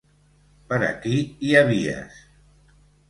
Per aquí hi ha vies.